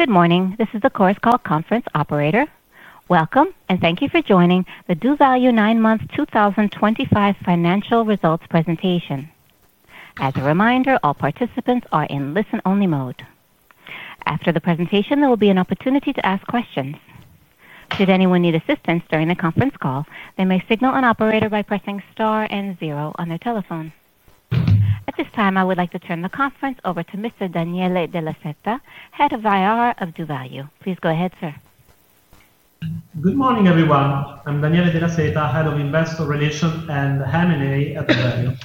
Good morning. This is the Course Call Conference Operator. Welcome, and thank you for joining the doValue nine month 2025 financial results presentation. As a reminder, all participants are in listen-only mode. After the presentation, there will be an opportunity to ask questions. Should anyone need assistance during the conference call, they may signal an operator by pressing star and zero on their telephone. At this time, I would like to turn the conference over to Mr. Daniele Della Seta, Head of IR of doValue. Please go ahead, sir. Good morning, everyone. I'm Daniele Della Seta, Head of Investor Relations and M&A at doValue.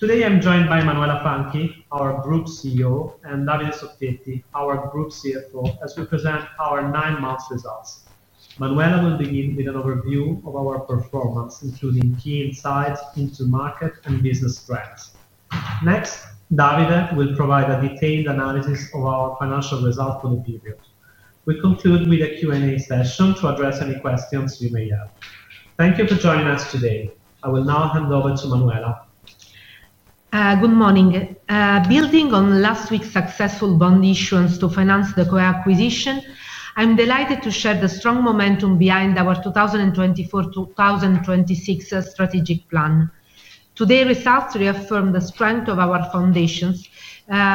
Today, I'm joined by Manuela Franchi, our Group CEO, and Davide Soffietti, our Group CFO, as we present our nine-month results. Manuela will begin with an overview of our performance, including key insights into market and business trends. Next, Davide will provide a detailed analysis of our financial results for the period. We conclude with a Q&A session to address any questions you may have. Thank you for joining us today. I will now hand over to Manuela. Good morning. Building on last week's successful bond issuance to finance the co-acquisition, I'm delighted to share the strong momentum behind our 2024-2026 strategic plan. Today's results reaffirm the strength of our foundations,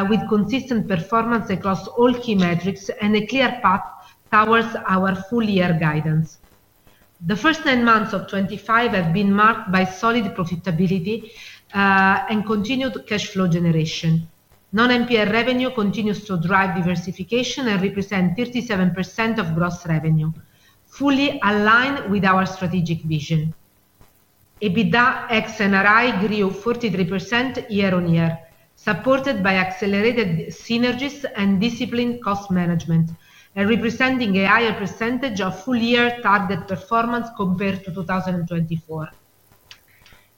with consistent performance across all key metrics and a clear path towards our full-year guidance. The first nine months of 2025 have been marked by solid profitability and continued cash flow generation. Non-NPL revenue continues to drive diversification and represents 37% of gross revenue, fully aligned with our strategic vision. EBITDA ex NRI grew 43% year-on-year, supported by accelerated synergies and disciplined cost management, representing a higher percentage of full-year target performance compared to 2024.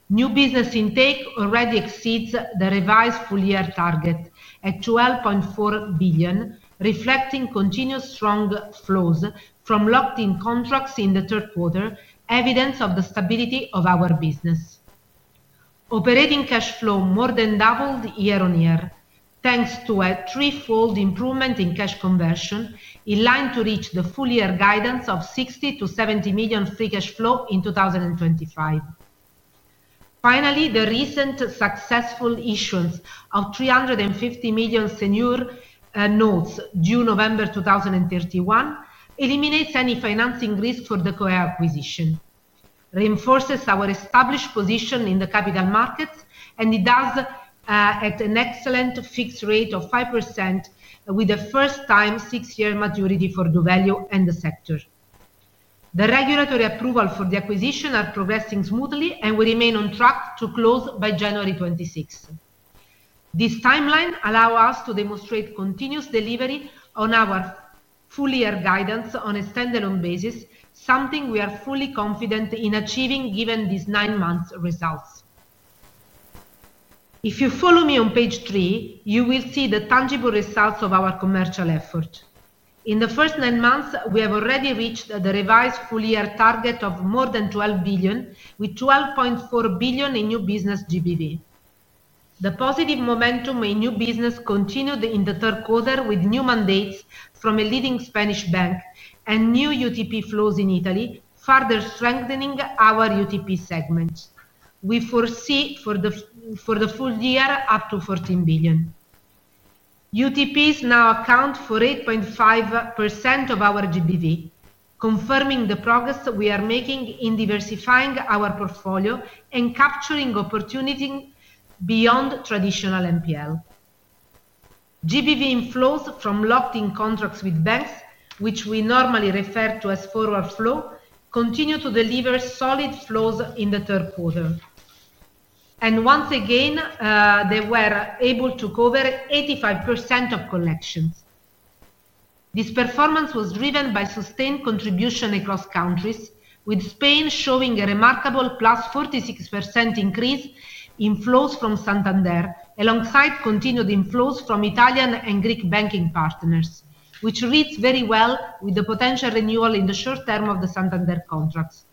New business intake already exceeds the revised full-year target at 12.4 billion, reflecting continuous strong flows from locked-in contracts in the third quarter, evidence of the stability of our business. Operating cash flow more than doubled year-on-year, thanks to a threefold improvement in cash conversion, in line to reach the full-year guidance of 60 million-70 million free cash flow in 2025. Finally, the recent successful issuance of 350 million senior notes due November 2031 eliminates any financing risk for the co-acquisition, reinforces our established position in the capital markets, and it does at an excellent fixed rate of 5%, with a first-time six-year maturity for doValue and the sector. The regulatory approvals for the acquisition are progressing smoothly, and we remain on track to close by January 2026. This timeline allows us to demonstrate continuous delivery on our full-year guidance on a standalone basis, something we are fully confident in achieving given these nine-month results. If you follow me on page three, you will see the tangible results of our commercial effort. In the first nine months, we have already reached the revised full-year target of more than 12 billion, with 12.4 billion in new business GBV. The positive momentum in new business continued in the third quarter, with new mandates from a leading Spanish bank and new UTP flows in Italy, further strengthening our UTP segment. We foresee for the full year up to 14 billion. UTPs now account for 8.5% of our GBV, confirming the progress we are making in diversifying our portfolio and capturing opportunity beyond traditional MPL. GBV inflows from locked-in contracts with banks, which we normally refer to as forward flow, continue to deliver solid flows in the third quarter. Once again, they were able to cover 85% of collections. This performance was driven by sustained contribution across countries, with Spain showing a remarkable +46% increase in flows from Santander, alongside continued inflows from Italian and Greek banking partners, which reads very well with the potential renewal in the short term of the Santander contracts.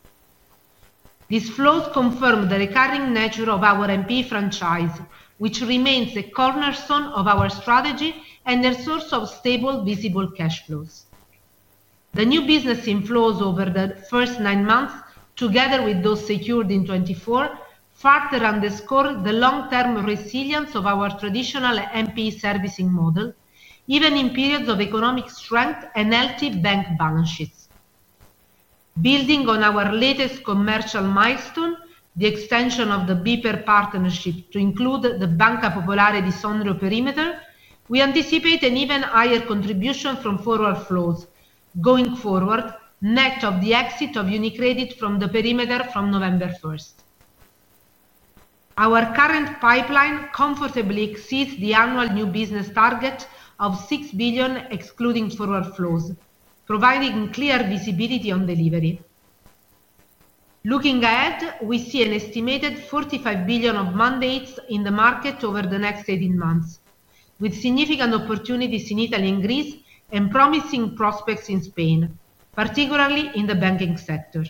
These flows confirm the recurring nature of our MPE franchise, which remains a cornerstone of our strategy and a source of stable, visible cash flows. The new business inflows over the first nine months, together with those secured in 2024, further underscore the long-term resilience of our traditional MPE servicing model, even in periods of economic strength and healthy bank balances. Building on our latest commercial milestone, the extension of the BPER partnership to include the Banca Popolare di Sondrio perimeter, we anticipate an even higher contribution from forward flows going forward, net of the exit of UniCredit from the perimeter from November 1. Our current pipeline comfortably exceeds the annual new business target of 6 billion, excluding forward flows, providing clear visibility on delivery. Looking ahead, we see an estimated 45 billion of mandates in the market over the next 18 months, with significant opportunities in Italy and Greece and promising prospects in Spain, particularly in the banking sector.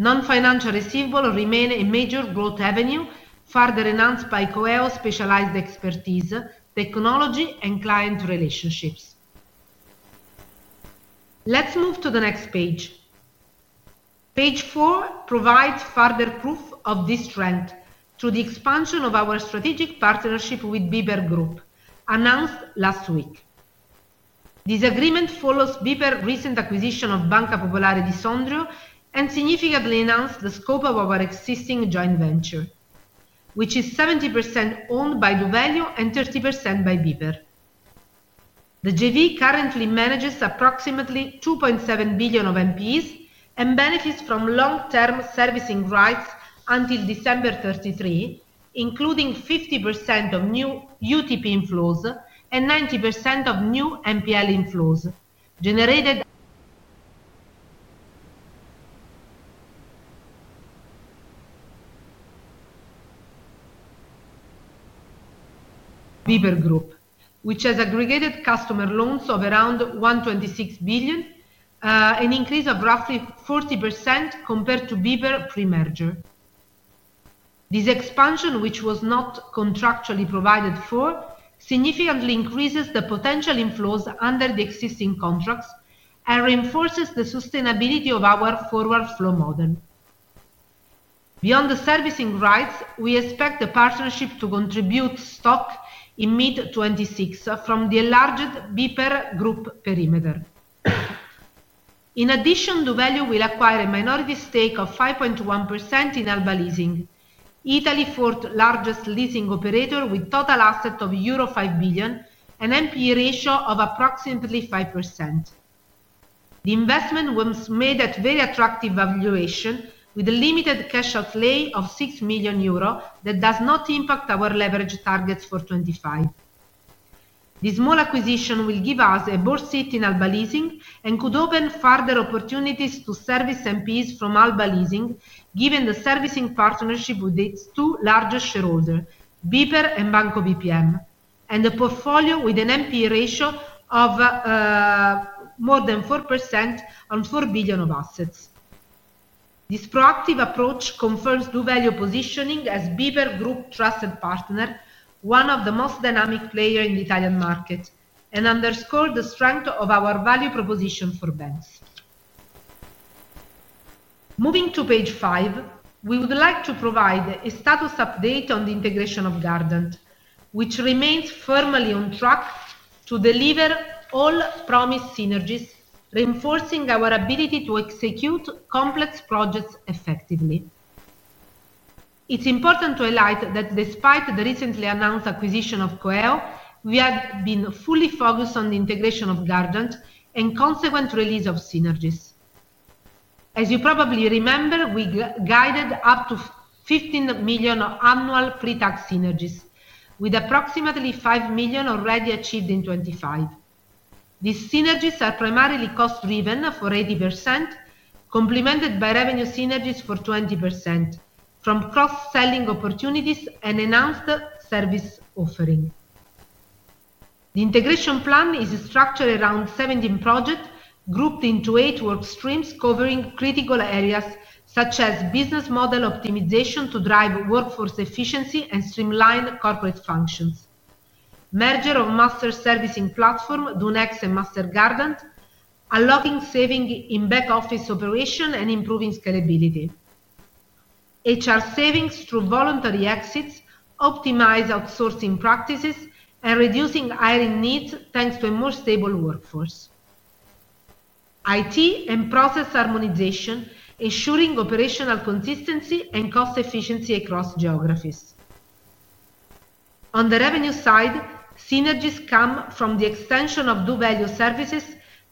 Non-financial receivable remains a major growth avenue, further enhanced by coeo specialized expertise, technology, and client relationships. Let's move to the next page. Page four provides further proof of this strength through the expansion of our strategic partnership with BPER Group, announced last week. This agreement follows BPER's recent acquisition of Banca Popolare di Sondrio and significantly enhanced the scope of our existing joint venture, which is 70% owned by doValue and 30% by BPER. The GV currently manages approximately 2.7 billion of MPEs and benefits from long-term servicing rights until December 2033, including 50% of new UTP inflows and 90% of new MPL inflows generated by BPER Group, which has aggregated customer loans of around 126 billion, an increase of roughly 40% compared to BPER pre-merger. This expansion, which was not contractually provided for, significantly increases the potential inflows under the existing contracts and reinforces the sustainability of our forward flow model. Beyond the servicing rights, we expect the partnership to contribute stock in mid-2026 from the enlarged BPER Group perimeter. In addition, doValue will acquire a minority stake of 5.1% in Alba Leasing, Italy's fourth-largest leasing operator, with total assets of euro 5 billion and an MPE ratio of approximately 5%. The investment was made at very attractive valuation, with a limited cash outlay of 6 million euro that does not impact our leverage targets for 2025. This small acquisition will give us a bull seat in Alba Leasing and could open further opportunities to service MPEs from Alba Leasing, given the servicing partnership with its two largest shareholders, BPER and Banco BPM, and a portfolio with an MPE ratio of more than 4% on 4 billion of assets. This proactive approach confirms doValue's positioning as BPER Group's trusted partner, one of the most dynamic players in the Italian market, and underscores the strength of our value proposition for banks. Moving to page five, we would like to provide a status update on the integration of Gardant, which remains firmly on track to deliver all promised synergies, reinforcing our ability to execute complex projects effectively. It's important to highlight that despite the recently announced acquisition of coeo, we have been fully focused on the integration of Gardant and the consequent release of synergies. As you probably remember, we guided up to 15 million annual pre-tax synergies, with approximately 5 million already achieved in 2025. These synergies are primarily cost-driven for 80%, complemented by revenue synergies for 20% from cross-selling opportunities and enhanced service offering. The integration plan is structured around 17 projects grouped into eight work streams covering critical areas such as business model optimization to drive workforce efficiency and streamline corporate functions, merger of master servicing platforms doNext and Master Gardant, unlocking savings in back-office operations and improving scalability, HR savings through voluntary exits, optimized outsourcing practices, and reducing hiring needs thanks to a more stable workforce, IT and process harmonization, ensuring operational consistency and cost efficiency across geographies. On the revenue side, synergies come from the extension of doValue services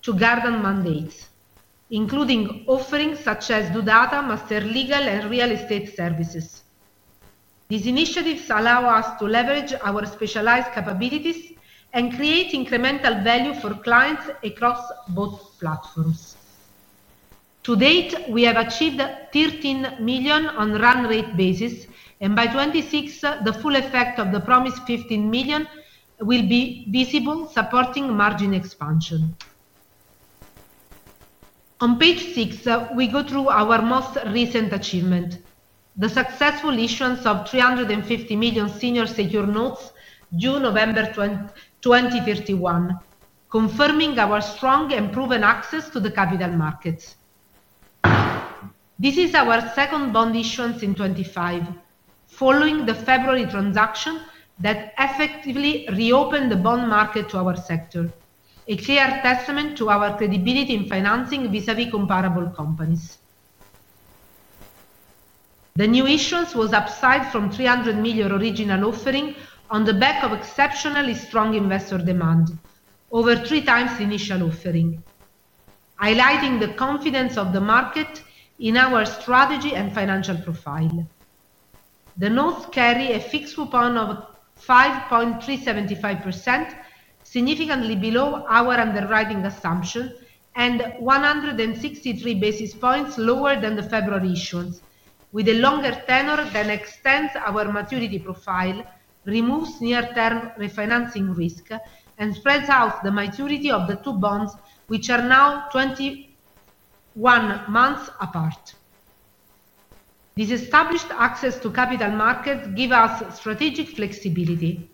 to Gardant mandates, including offerings such as doData, Master Legal, and Real Estate services. These initiatives allow us to leverage our specialized capabilities and create incremental value for clients across both platforms. To date, we have achieved 13 million on a run-rate basis, and by 2026, the full effect of the promised 15 million will be visible, supporting margin expansion. On page six, we go through our most recent achievement, the successful issuance of 350 million senior secure notes due November 2031, confirming our strong and proven access to the capital markets. This is our second bond issuance in 2025, following the February transaction that effectively reopened the bond market to our sector, a clear testament to our credibility in financing vis-à-vis comparable companies. The new issuance was upside from 300 million original offering on the back of exceptionally strong investor demand, over 3x the initial offering, highlighting the confidence of the market in our strategy and financial profile. The notes carry a fixed coupon of 5.375%, significantly below our underwriting assumption, and 163 basis points lower than the February issuance, with a longer tenor that extends our maturity profile, removes near-term refinancing risk, and spreads out the maturity of the two bonds, which are now 21 months apart. This established access to capital markets gives us strategic flexibility.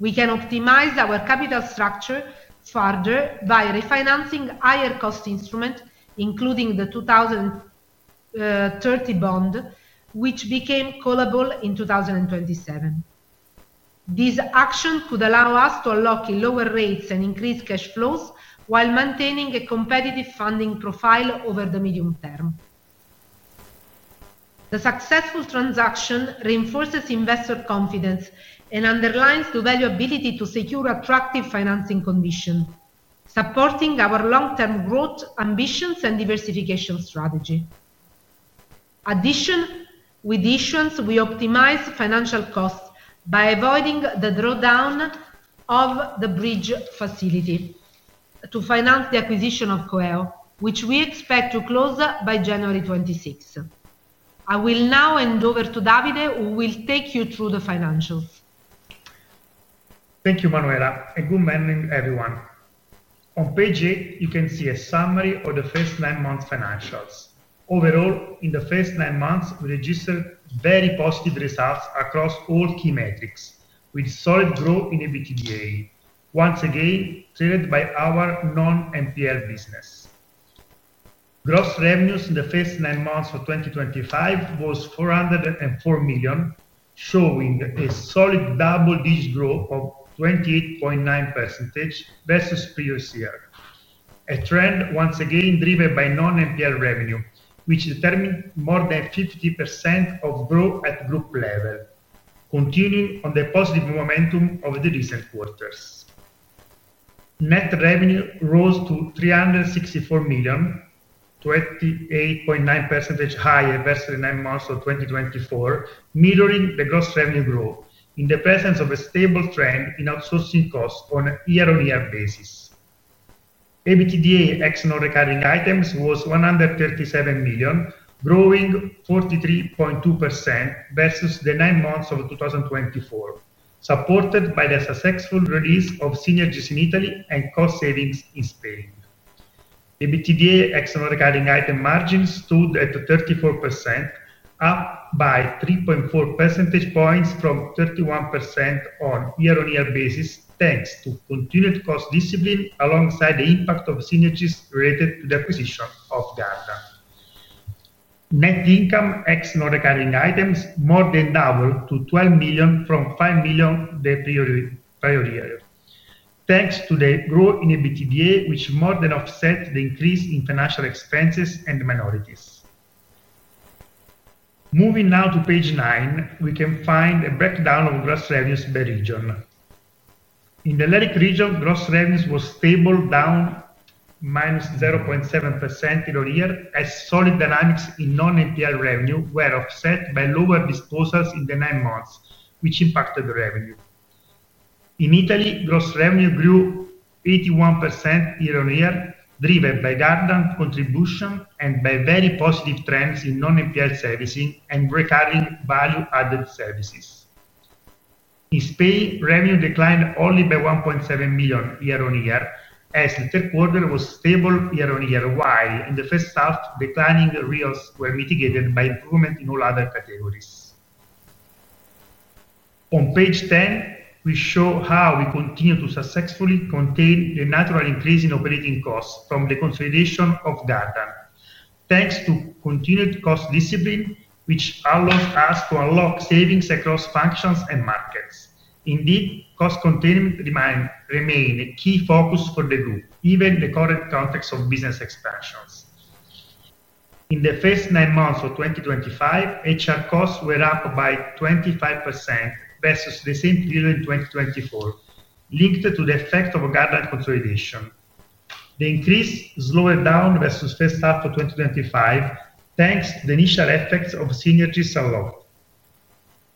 We can optimize our capital structure further by refinancing higher-cost instruments, including the 2030 bond, which became callable in 2027. These actions could allow us to unlock lower rates and increase cash flows while maintaining a competitive funding profile over the medium term. The successful transaction reinforces investor confidence and underlines doValue's ability to secure attractive financing conditions, supporting our long-term growth ambitions and diversification strategy. Additionally, with the issuance, we optimize financial costs by avoiding the drawdown of the bridge facility to finance the acquisition of coeo, which we expect to close by January 2026. I will now hand over to Davide, who will take you through the financials. Thank you, Manuela. Good morning, everyone. On page eight, you can see a summary of the first nine months' financials. Overall, in the first nine months, we registered very positive results across all key metrics, with solid growth in EBITDA, once again driven by our non-NPL business. Gross revenues in the first nine months of 2025 were 404 million, showing a solid double-digit growth of 28.9% versus previous year, a trend once again driven by non-MPL revenue, which determined more than 50% of growth at group level, continuing on the positive momentum of the recent quarters. Net revenue rose to 364 million, 28.9% higher versus the nine months of 2024, mirroring the gross revenue growth in the presence of a stable trend in outsourcing costs on a year-on-year basis. EBITDA ex NRI was EUR 137 million, growing 43.2% versus the nine months of 2024, supported by the successful release of synergies in Italy and cost savings in Spain. EBITDA ex NRI margins stood at 34%, up by 3.4 percentage points from 31% on a year-on-year basis, thanks to continued cost discipline alongside the impact of synergies related to the acquisition of Gardant. Net income excluding recurring items more than doubled to 12 million from 5 million the prior year, thanks to the growth in EBITDA, which more than offsets the increase in financial expenses and minorities. Moving now to page nine, we can find a breakdown of gross revenues by region. In the Lyric region, gross revenues were stable, down -0.7% year-on-year, as solid dynamics in non-NPL revenue were offset by lower disposals in the nine months, which impacted the revenue. In Italy, gross revenue grew 81% year-on-year, driven by Gardant contribution and by very positive trends in non-NPL servicing and recurring value-added services. In Spain, revenue declined only by 1.7 million year-on-year, as the third quarter was stable year-on-year, while in the first half, declining reels were mitigated by improvement in all other categories. On page 10, we show how we continue to successfully contain a natural increase in operating costs from the consolidation of Gardant, thanks to continued cost discipline, which allows us to unlock savings across functions and markets. Indeed, cost containment remained a key focus for the group, even in the current context of business expansions. In the first nine months of 2025, HR costs were up by 25% versus the same period in 2024, linked to the effect of Gardant consolidation. The increase slowed down versus the first half of 2025, thanks to the initial effects of synergies unlocked.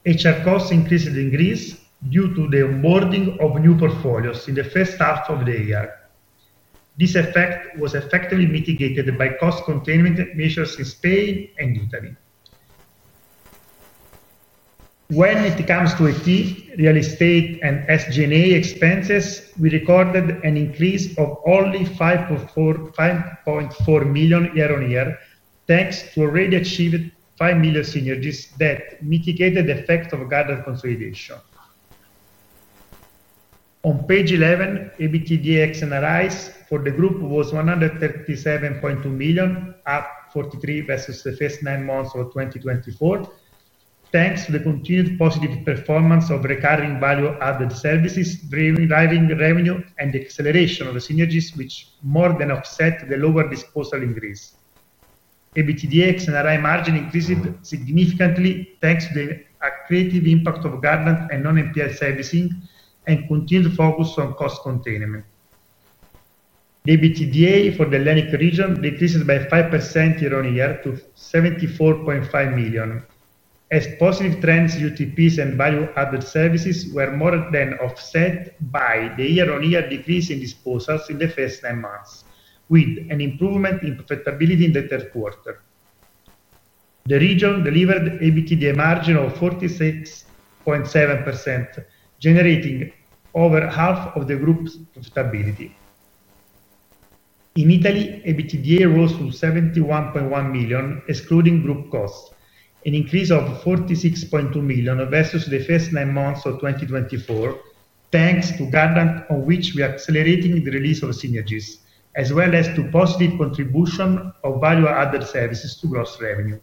HR costs increased in Greece due to the onboarding of new portfolios in the first half of the year. This effect was effectively mitigated by cost containment measures in Spain and Italy. When it comes to ET, real estate, and SG&A expenses, we recorded an increase of only 5.4 million year-on-year, thanks to already achieved 5 million synergies that mitigated the effect of Gardant consolidation. On page 11, EBITDA ex NRI for the group was 137.2 million, up 43% versus the first nine months of 2024, thanks to the continued positive performance of recurring value-added services, driving revenue and the acceleration of the synergies, which more than offset the lower disposal in Greece. EBITDA ex NRI margin increased significantly, thanks to the accretive impact of Gardant and non-NPL servicing and continued focus on cost containment. EBITDA for the Italy region decreased by 5% year-on-year to 74.5 million, as positive trends in UTPs and value-added services were more than offset by the year-on-year decrease in disposals in the first nine months, with an improvement in profitability in the third quarter. The region delivered EBITDA margin of 46.7%, generating over half of the group's profitability. In Italy, EBITDA rose to 71.1 million, excluding group costs, an increase of 46.2 million versus the first nine months of 2024, thanks to Gardant, on which we are accelerating the release of synergies, as well as to positive contribution of value-added services to gross revenue.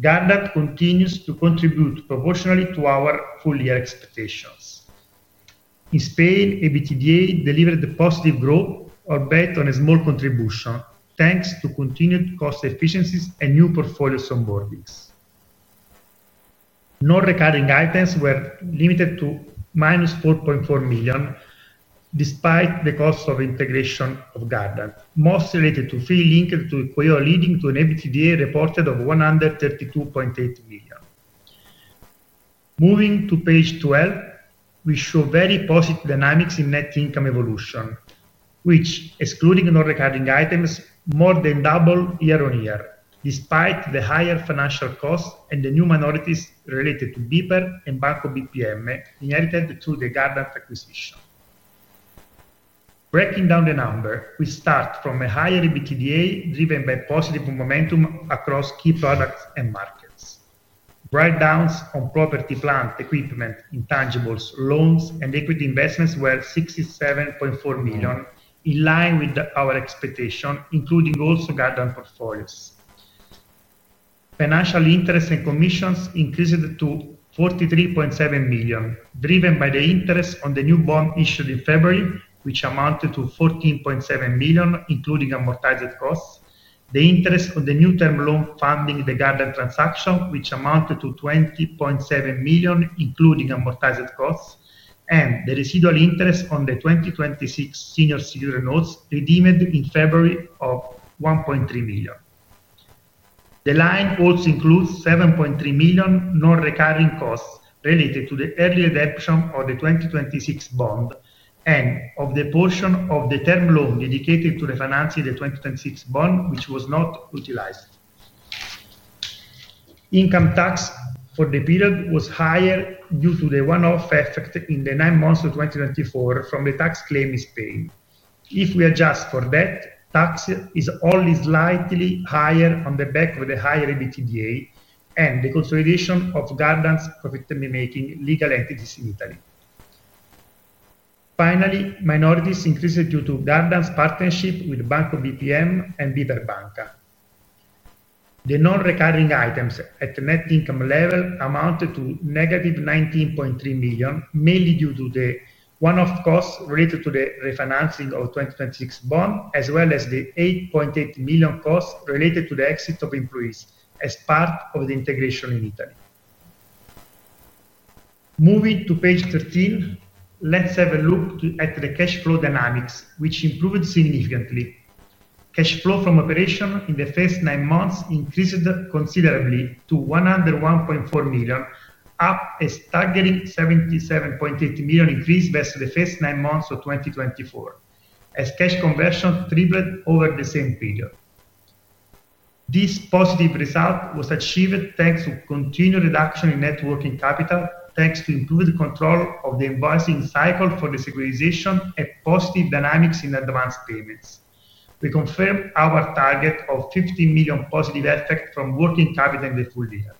Gardant continues to contribute proportionally to our full-year expectations. In Spain, EBITDA delivered positive growth, albeit on a small contribution, thanks to continued cost efficiencies and new portfolio onboardings. Non-recurring items were limited to -4.4 million, despite the cost of integration of Gardant, mostly related to fee linked to coeo, leading to an EBITDA reported of 132.8 million. Moving to page 12, we show very positive dynamics in net income evolution, which, excluding non-recurring items, more than doubled year-on-year, despite the higher financial costs and the new minorities related to BPER and Banco BPM inherited through the Gardant acquisition. Breaking down the number, we start from a higher EBITDA driven by positive momentum across key products and markets. Breakdowns on property, plant, equipment, intangibles, loans, and equity investments were 67.4 million, in line with our expectation, including also Gardant portfolios. Financial interest and commissions increased to 43.7 million, driven by the interest on the new bond issued in February, which amounted to 14.7 million, including amortized costs, the interest on the new term loan funding the Gardant transaction, which amounted to 20.7 million, including amortized costs, and the residual interest on the 2026 senior secure notes redeemed in February of 1.3 million. The line also includes 7.3 million non-recurring costs related to the early adoption of the 2026 bond and of the portion of the term loan dedicated to refinancing the 2026 bond, which was not utilized. Income tax for the period was higher due to the one-off effect in the nine months of 2024 from the tax claim in Spain. If we adjust for debt, tax is only slightly higher on the back of the higher EBITDA and the consolidation of Gardant's profit-making legal entities in Italy. Finally, minorities increased due to Gardant's partnership with Banco BPM and BPER Bank. The non-recurring items at net income level amounted to -19.3 million, mainly due to the one-off costs related to the refinancing of the 2026 bond, as well as the 8.8 million costs related to the exit of employees as part of the integration in Italy. Moving to page 13, let's have a look at the cash flow dynamics, which improved significantly. Cash flow from operation in the first nine months increased considerably to 101.4 million, up a staggering 77.8 million increase versus the first nine months of 2024, as cash conversion tripled over the same period. This positive result was achieved thanks to continued reduction in net working capital, thanks to improved control of the invoicing cycle for the securitization and positive dynamics in advance payments. We confirmed our target of 15 million positive effect from working capital in the full year.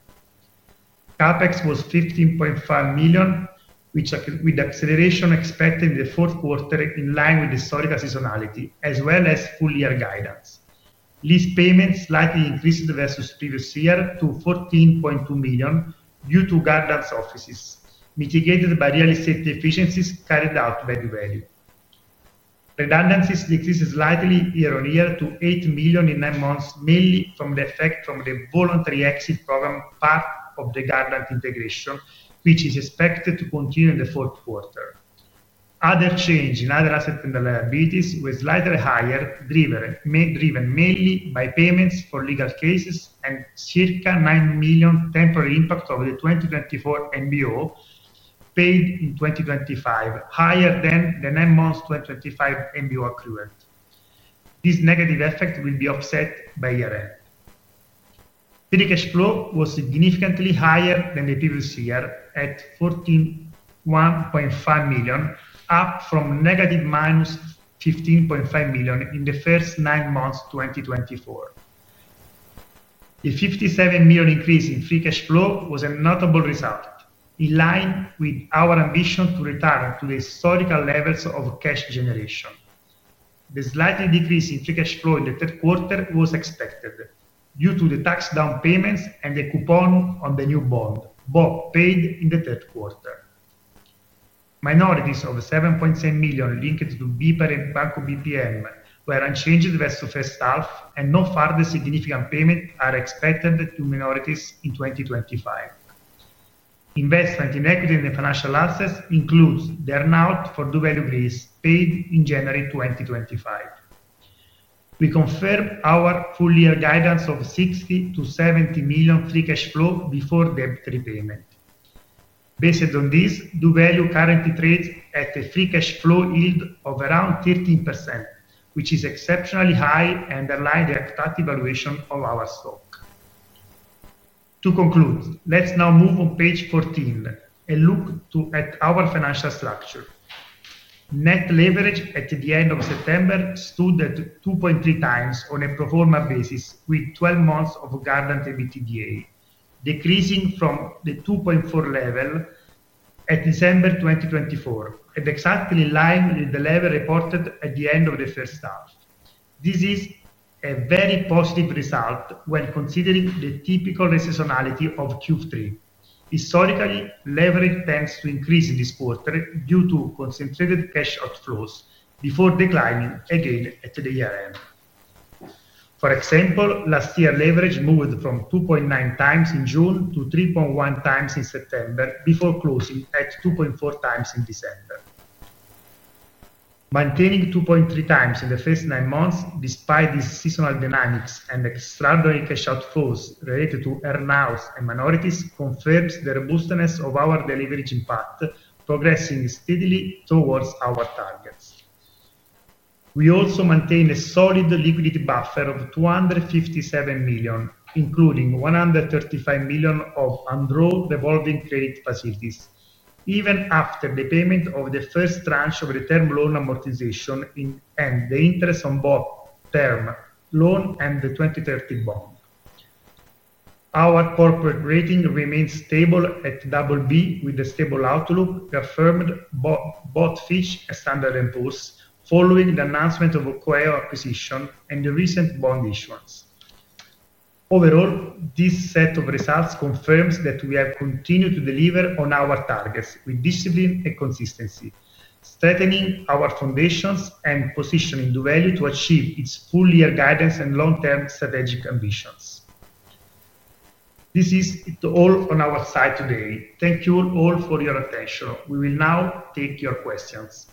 CapEx was 15.5 million, with acceleration expected in the fourth quarter, in line with the historical seasonality, as well as full-year guidance. Lease payments slightly increased versus previous year to 14.2 million due to Gardant's offices, mitigated by real estate efficiencies carried out by doValue. Redundancies decreased slightly year-on-year to 8 million in nine months, mainly from the effect from the voluntary exit program part of the Gardant integration, which is expected to continue in the fourth quarter. Other change in other assets and liabilities was slightly higher, driven mainly by payments for legal cases and circa 9 million temporary impact of the 2024 MBO paid in 2025, higher than the nine months' 2025 MBO accrual. This negative effect will be offset by year-end. Free cash flow was significantly higher than the previous year at 141.5 million, up from negative 15.5 million in the first nine months of 2024. The 57 million increase in free cash flow was a notable result, in line with our ambition to return to the historical levels of cash generation. The slight decrease in free cash flow in the third quarter was expected due to the tax-down payments and the coupon on the new bond, both paid in the third quarter. Minorities of 7.7 million linked to BPER and Banco BPM were unchanged versus the first half, and no further significant payments are expected to minorities in 2025. Investment in equity and financial assets includes the earn-out for doValue Greece, paid in January 2025. We confirmed our full-year guidance of 60 million-70 million free cash flow before debt repayment. Based on this, doValue currently trades at a free cash flow yield of around 13%, which is exceptionally high and aligned with the expected valuation of our stock. To conclude, let's now move on page 14 and look at our financial structure. Net leverage at the end of September stood at 2.3x on a pro forma basis, with 12 months of Gardant EBITDA decreasing from the 2.4x level at December 2024, and exactly in line with the level reported at the end of the first half. This is a very positive result when considering the typical seasonality of Q3. Historically, leverage tends to increase in this quarter due to concentrated cash outflows before declining again at the year-end. For example, last year, leverage moved from 2.9x in June to 3.1x in September, before closing at 2.4x in December. Maintaining 2.3x in the first nine months, despite these seasonal dynamics and extraordinary cash outflows related to earn-outs and minorities, confirms the robustness of our delivery impact, progressing steadily towards our targets. We also maintain a solid liquidity buffer of 257 million, including 135 million of undrawn revolving credit facilities, even after the payment of the first tranche of the term loan amortization and the interest on both term loan and the 2030 bond. Our corporate rating remains stable at BB, with a stable outlook confirmed by both Fitch and Standard & Poor's, following the announcement of the coeo acquisition and the recent bond issuance. Overall, this set of results confirms that we have continued to deliver on our targets with discipline and consistency, strengthening our foundations and positioning doValue to achieve its full-year guidance and long-term strategic ambitions. This is all on our side today. Thank you all for your attention. We will now take your questions.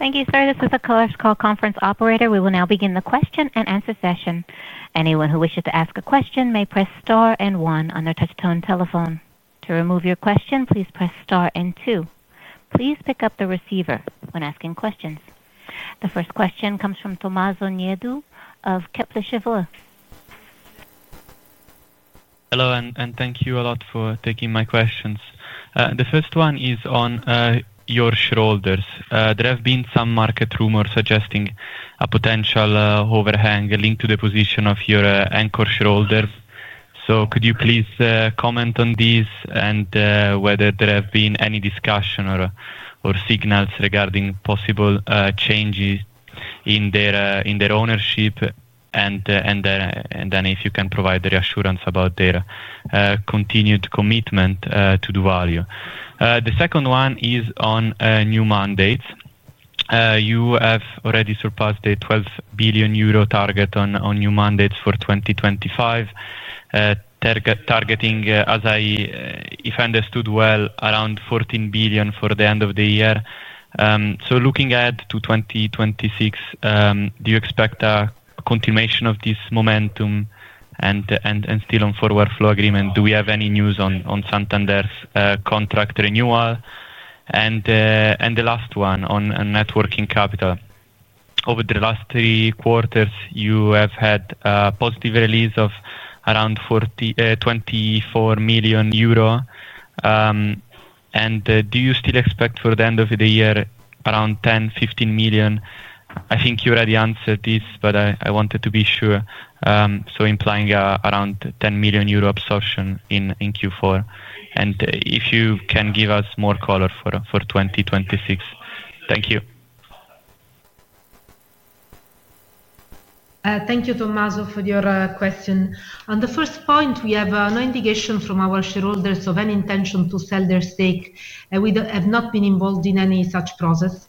Thank you, sir. This is a call conference operator. We will now begin the question and answer session. Anyone who wishes to ask a question may press star and one on their touch-tone telephone. To remove your question, please press star and two. Please pick up the receiver when asking questions. The first question comes from Tommaso Nieddu of Kepler Cheuvreux. Hello, and thank you a lot for taking my questions. The first one is on your shoulders. There have been some market rumors suggesting a potential overhang linked to the position of your anchor shoulders. Could you please comment on this and whether there have been any discussion or signals regarding possible changes in their ownership, and then if you can provide the reassurance about their continued commitment to doValue. The second one is on new mandates. You have already surpassed the 12 billion euro target on new mandates for 2025, targeting, if I understood well, around 14 billion for the end of the year. Looking ahead to 2026, do you expect a continuation of this momentum and still on forward flow agreement? Do we have any news on Santander's contract renewal? The last one on networking capital. Over the last three quarters, you have had a positive release of around 24 million euro. Do you still expect for the end of the year around 10 million-15 million? I think you already answered this, but I wanted to be sure. Implies around 10 million euro absorption in Q4. If you can give us more color for 2026. Thank you. Thank you, Tomazo, for your question. On the first point, we have no indication from our shareholders of any intention to sell their stake. We have not been involved in any such process.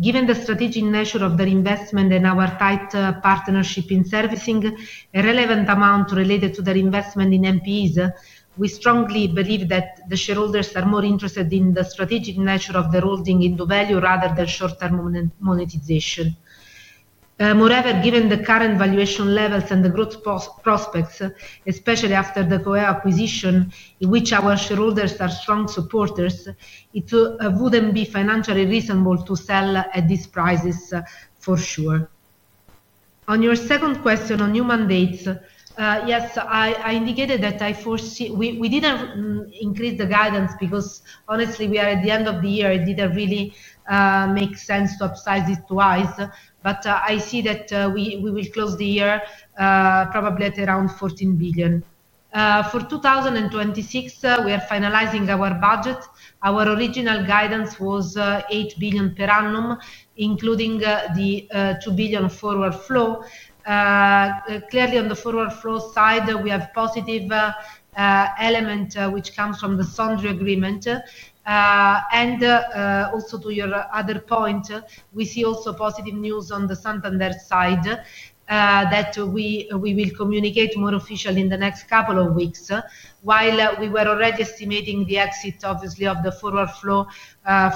Given the strategic nature of their investment and our tight partnership in servicing, a relevant amount related to their investment in MPEs, we strongly believe that the shareholders are more interested in the strategic nature of their holding in doValue rather than short-term monetization. Moreover, given the current valuation levels and the growth prospects, especially after the coeo acquisition, in which our shareholders are strong supporters, it would not be financially reasonable to sell at these prices, for sure. On your second question on new mandates, yes, I indicated that we did not increase the guidance because, honestly, we are at the end of the year. It did not really make sense to upsize it twice. I see that we will close the year probably at around 14 billion. For 2026, we are finalizing our budget. Our original guidance was 8 billion per annum, including the 2 billion forward flow. Clearly, on the forward flow side, we have a positive element which comes from the Sondrio agreement. Also, to your other point, we see positive news on the Santander side that we will communicate more officially in the next couple of weeks, while we were already estimating the exit, obviously, of the forward flow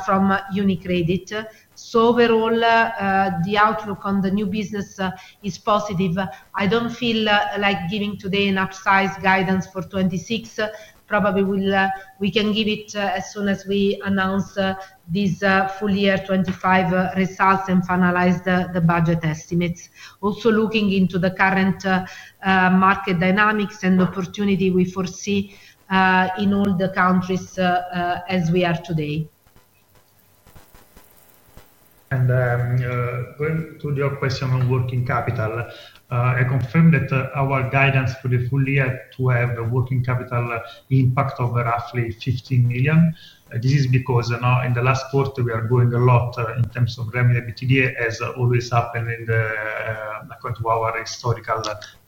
from UniCredit. Overall, the outlook on the new business is positive. I do not feel like giving today an upsize guidance for 2026. Probably we can give it as soon as we announce these full-year 2025 results and finalize the budget estimates. Also looking into the current market dynamics and opportunity we foresee in all the countries as we are today. Going to your question on working capital, I confirm that our guidance for the full year is to have working capital impact of roughly 15 million. This is because in the last quarter, we are growing a lot in terms of revenue EBITDA, as always happened according to our historical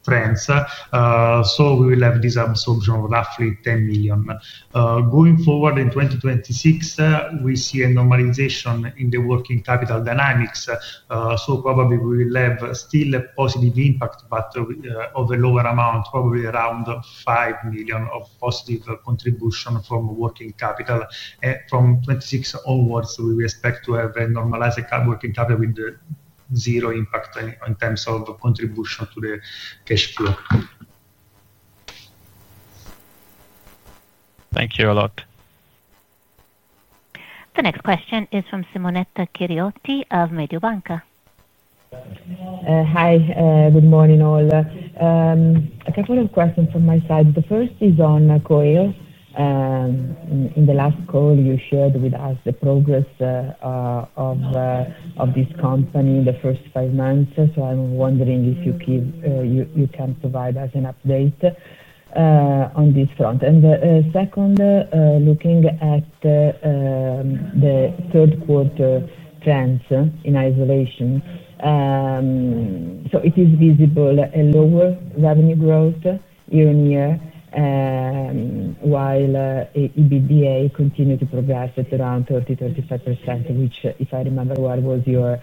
trends. We will have this absorption of roughly 10 million. Going forward in 2026, we see a normalization in the working capital dynamics. Probably we will have still a positive impact, but of a lower amount, probably around 5 million of positive contribution from working capital. From 2026 onwards, we will expect to have a normalized working capital with zero impact in terms of contribution to the cash flow. Thank you a lot. The next question is from Simonetta Chiriotti of Mediobanca. Hi, good morning all. A couple of questions from my side. The first is on coeo. In the last call, you shared with us the progress of this company in the first five months. I'm wondering if you can provide us an update on this front. Second, looking at the third quarter trends in isolation, it is visible a lower revenue growth year-on-year, while EBITDA continued to progress at around 30%-35%, which, if I remember well, was your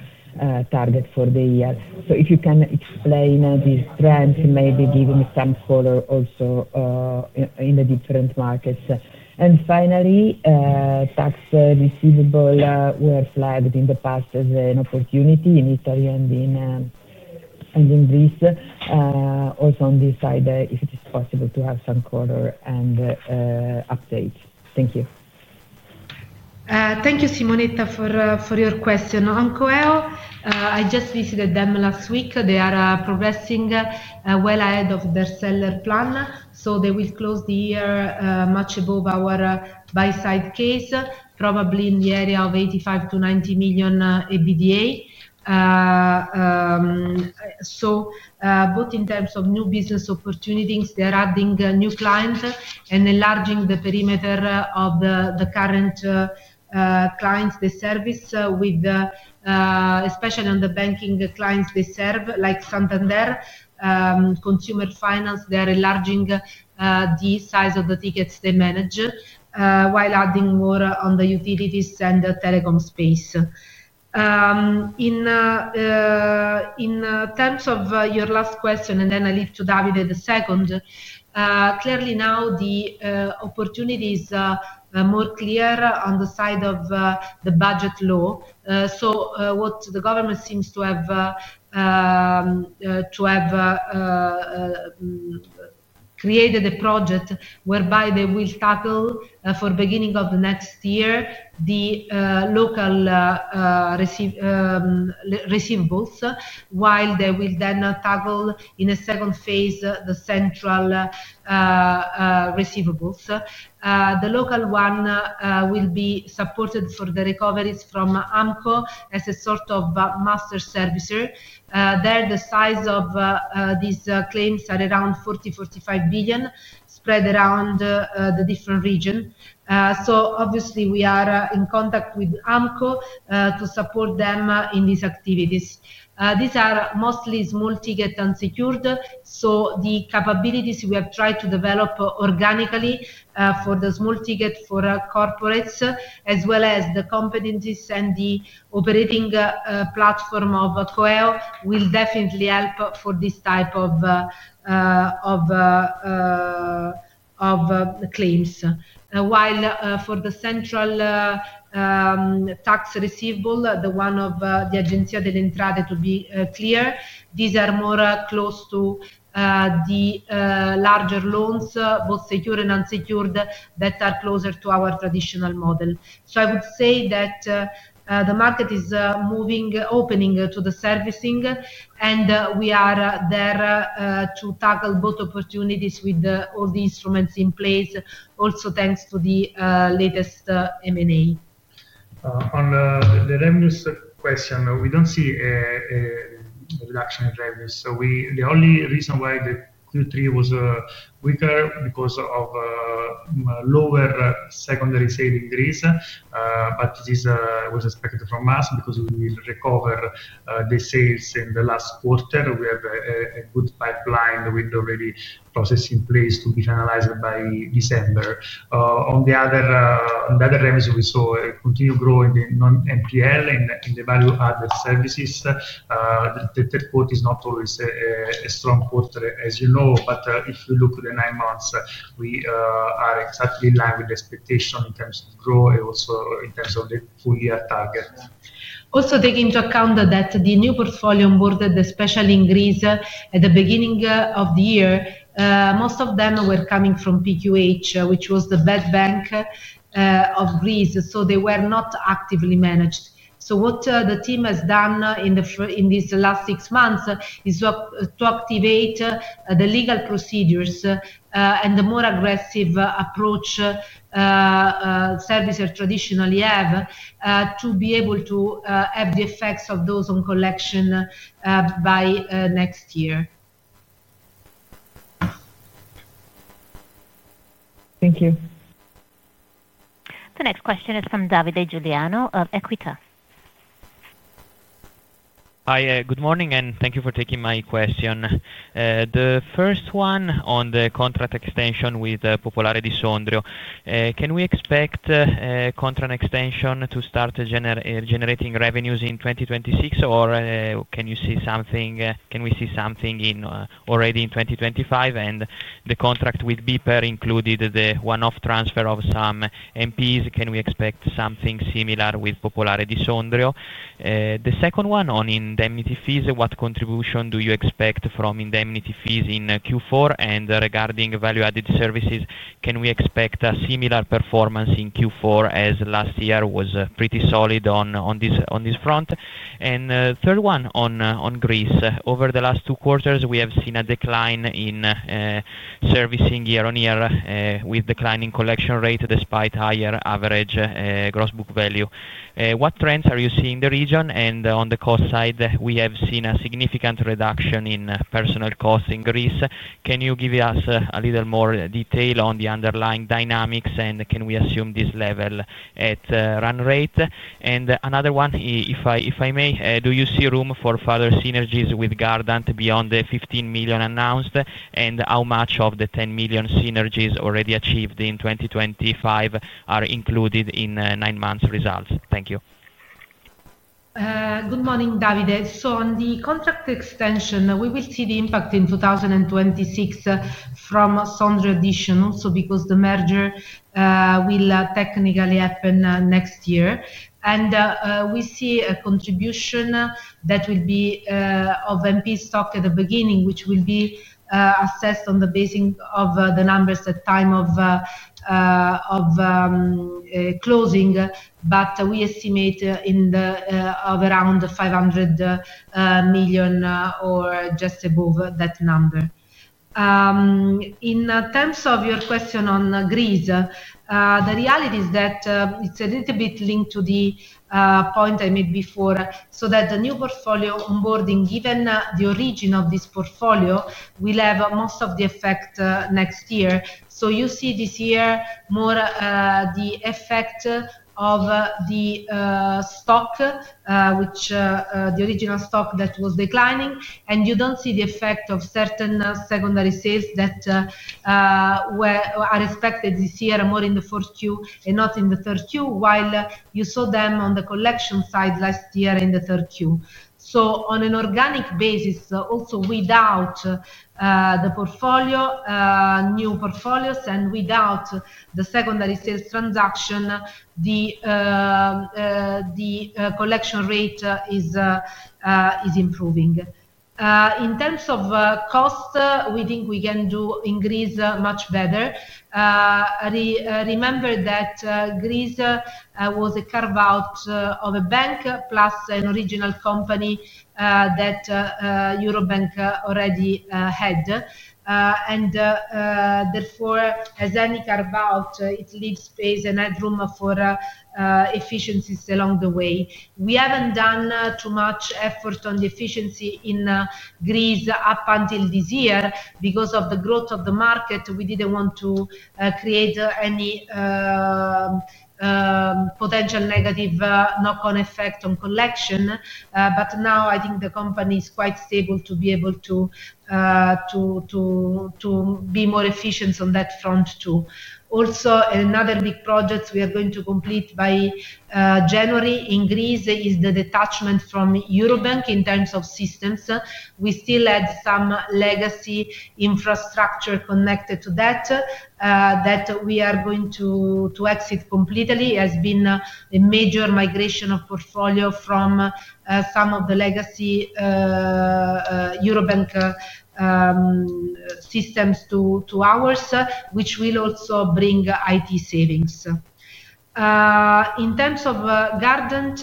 target for the year. If you can explain these trends, maybe give me some color also in the different markets. Finally, tax receivable were flagged in the past as an opportunity in Italy and in Greece. Also on this side, if it is possible to have some color and updates. Thank you. Thank you, Simonetta, for your question. On coeo, I just visited them last week. They are progressing well ahead of their seller plan. They will close the year much above our buy-side case, probably in the area of 85 million-90 million EBITDA. Both in terms of new business opportunities, they are adding new clients and enlarging the perimeter of the current clients they service, especially on the banking clients they serve, like Santander, Consumer Finance. They are enlarging the size of the tickets they manage, while adding more on the utilities and the telecom space. In terms of your last question, and then I leave to Davide the second, clearly now the opportunity is more clear on the side of the budget law. What the government seems to have created is a project whereby they will tackle for the beginning of the next year the local receivables, while they will then tackle in a second phase the central receivables. The local one will be supported for the recoveries from AMCO as a sort of master servicer. There, the size of these claims is around 40 billion-45 billion, spread around the different regions. Obviously, we are in contact with AMCO to support them in these activities. These are mostly small tickets unsecured. The capabilities we have tried to develop organically for the small tickets for corporates, as well as the competencies and the operating platform of coeo, will definitely help for this type of claims. While for the central tax receivable, the one of the Agenzia delle Entrate, to be clear, these are more close to the larger loans, both secured and unsecured, that are closer to our traditional model. I would say that the market is opening to the servicing, and we are there to tackle both opportunities with all the instruments in place, also thanks to the latest M&A. On the revenue question, we do not see a reduction in revenue. The only reason why the Q3 was weaker was because of lower secondary sale increase. This was expected from us because we will recover the sales in the last quarter. We have a good pipeline with already process in place to be finalized by December. On the other revenues, we saw a continued growth in non-MPL and the value-added services. The third quarter is not always a strong quarter, as you know. If you look at the nine months, we are exactly in line with the expectation in terms of growth and also in terms of the full-year target. Also, taking into account that the new portfolio onboarded, especially in Greece, at the beginning of the year, most of them were coming from PQH, which was the bad bank of Greece. They were not actively managed. What the team has done in these last six months is to activate the legal procedures and the more aggressive approach servicers traditionally have to be able to have the effects of those on collection by next year. Thank you. The next question is from Davide Giuliano of Equita. Hi, good morning, and thank you for taking my question. The first one on the contract extension with Popolare di Sondrio. Can we expect a contract extension to start generating revenues in 2026, or can we see something already in 2025? The contract with BPER included the one-off transfer of some MPEs. Can we expect something similar with Popolare di Sondrio? The second one on indemnity fees. What contribution do you expect from indemnity fees in Q4? Regarding value-added services, can we expect a similar performance in Q4 as last year was pretty solid on this front? Third one on Greece. Over the last two quarters, we have seen a decline in servicing year-on-year with declining collection rate despite higher average gross book value. What trends are you seeing in the region? On the cost side, we have seen a significant reduction in personnel costs in Greece. Can you give us a little more detail on the underlying dynamics, and can we assume this level at run rate? Another one, if I may, do you see room for further synergies with Gardant beyond the 15 million announced, and how much of the 10 million synergies already achieved in 2025 are included in nine months' results? Thank you. Good morning, Davide. On the contract extension, we will see the impact in 2026 from Sondrio addition, also because the merger will technically happen next year. We see a contribution that will be of MPE stock at the beginning, which will be assessed on the basis of the numbers at the time of closing. We estimate in around 500 million or just above that number. In terms of your question on Greece, the reality is that it is a little bit linked to the point I made before. The new portfolio onboarding, given the origin of this portfolio, will have most of the effect next year. You see this year more the effect of the stock, which is the original stock that was declining, and you do not see the effect of certain secondary sales that are expected this year more in the first Q and not in the third Q, while you saw them on the collection side last year in the third Q. On an organic basis, also without the new portfolios and without the secondary sales transaction, the collection rate is improving. In terms of cost, we think we can do in Greece much better. Remember that Greece was a carve-out of a bank plus an original company that Eurobank already had. Therefore, as any carve-out, it leaves space and headroom for efficiencies along the way. We have not done too much effort on the efficiency in Greece up until this year because of the growth of the market. We did not want to create any potential negative knock-on effect on collection. Now I think the company is quite stable to be able to be more efficient on that front too. Also, another big project we are going to complete by January in Greece is the detachment from Eurobank in terms of systems. We still had some legacy infrastructure connected to that that we are going to exit completely. It has been a major migration of portfolio from some of the legacy Eurobank systems to ours, which will also bring IT savings. In terms of Gardant,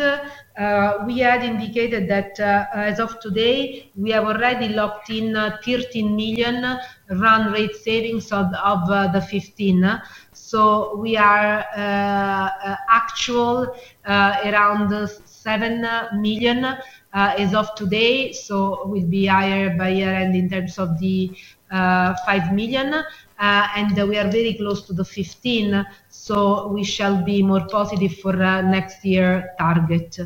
we had indicated that as of today, we have already locked in 13 million run rate savings of the 15 million. So we are actual around 7 million as of today. We will be higher by year-end in terms of the 5 million. We are very close to the 15 million. We shall be more positive for next year's target.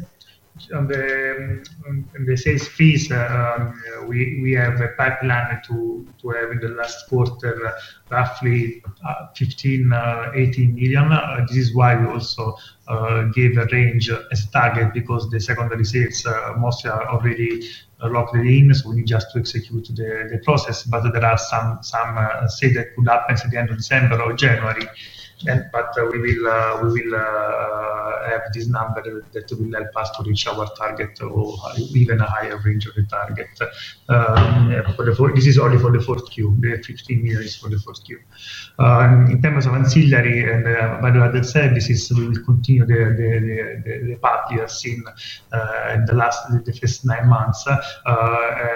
On the sales fees, we have a pipeline to have in the last quarter roughly 15 million-18 million. This is why we also gave a range as a target because the secondary sales mostly are already locked in. We need just to execute the process. There are some sales that could happen at the end of December or January. We will have this number that will help us to reach our target or even a higher range of the target. This is only for the fourth quarter. The 15 million is for the fourth quarter. In terms of ancillary and value-added services, we will continue the path we have seen in the last nine months.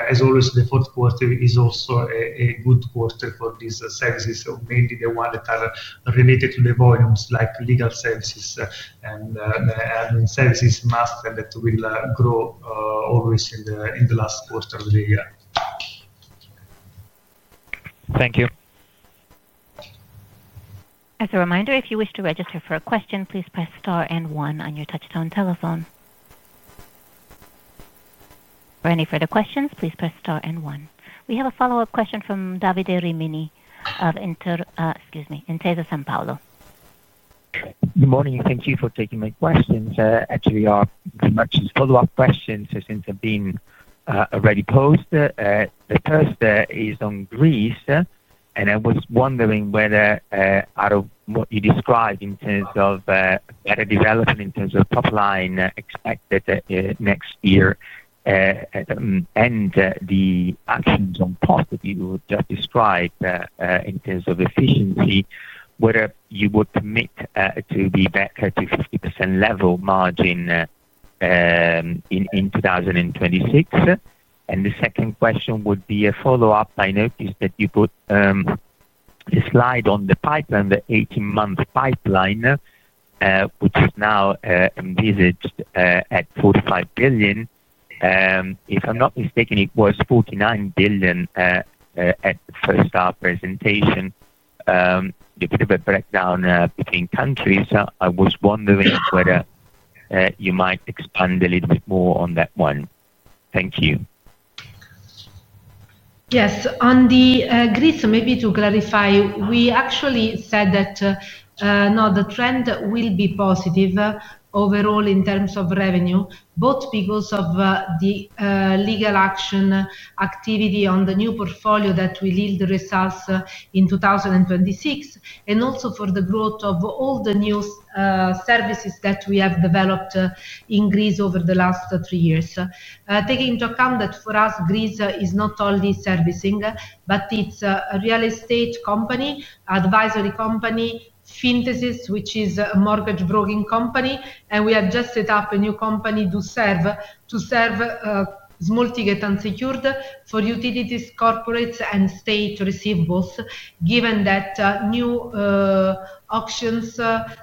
As always, the fourth quarter is also a good quarter for these services, mainly the ones that are related to the volumes, like legal services and services master that will grow always in the last quarter of the year. Thank you. As a reminder, if you wish to register for a question, please press star and one on your touch-tone telephone. For any further questions, please press star and one. We have a follow-up question from Davide Rimini of Intesa Sanpaolo. Good morning. Thank you for taking my questions. Actually, they are pretty much follow-up questions since they've been already posed. The first is on Greece. I was wondering whether, out of what you described in terms of better development in terms of top line expected next year and the actions on top that you just described in terms of efficiency, whether you would commit to be back to 50% level margin in 2026. The second question would be a follow-up. I noticed that you put a slide on the 18-month pipeline, which is now envisaged at 45 billion. If I'm not mistaken, it was 49 billion at the first presentation. You put a breakdown between countries. I was wondering whether you might expand a little bit more on that one. Thank you. Yes. On the Greece, maybe to clarify, we actually said that no, the trend will be positive overall in terms of revenue, both because of the legal action activity on the new portfolio that will yield results in 2026, and also for the growth of all the new services that we have developed in Greece over the last three years. Taking into account that for us, Greece is not only servicing, but it's a real estate company, advisory company, FinTHESIS, which is a mortgage broking company. We have just set up a new company, [doServe], to serve small ticket unsecured for utilities, corporates, and state receivables, given that new auctions and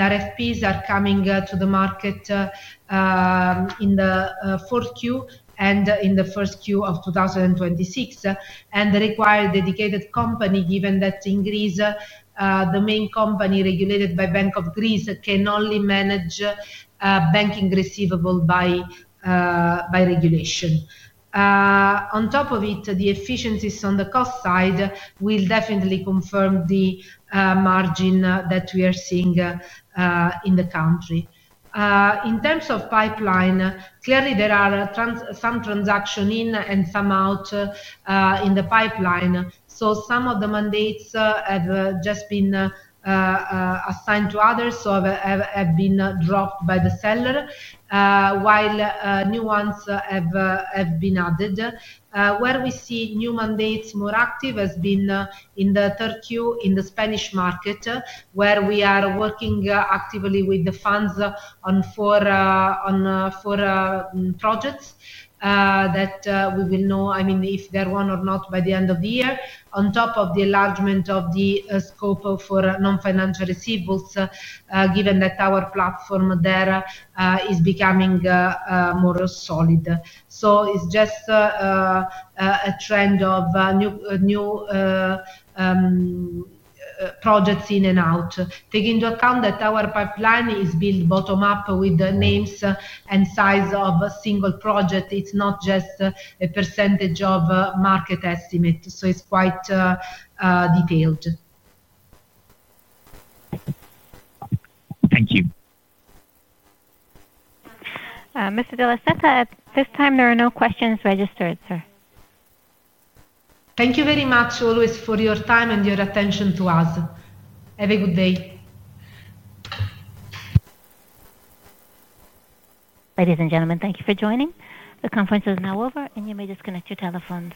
RFPs are coming to the market in the fourth quarter and in the first quarter of 2026, and require a dedicated company, given that in Greece, the main company regulated by Bank of Greece can only manage banking receivable by regulation. On top of it, the efficiencies on the cost side will definitely confirm the margin that we are seeing in the country. In terms of pipeline, clearly, there are some transactions in and some out in the pipeline. Some of the mandates have just been assigned to others or have been dropped by the seller, while new ones have been added. Where we see new mandates more active has been in the third Q in the Spanish market, where we are working actively with the funds on four projects that we will know, I mean, if they're won or not by the end of the year. On top of the enlargement of the scope for non-financial receivables, given that our platform there is becoming more solid. It is just a trend of new projects in and out. Taking into account that our pipeline is built bottom-up with the names and size of a single project, it is not just a percentage of market estimate. It is quite detailed. Thank you. Mr. Della Seta, at this time, there are no questions registered, sir. Thank you very much always for your time and your attention to us. Have a good day. Ladies and gentlemen, thank you for joining. The conference is now over, and you may disconnect your telephones.